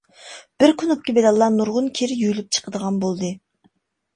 بىر كۇنۇپكا بىلەنلا نۇرغۇن كىر يۇيۇلۇپ چىقىدىغان بولدى.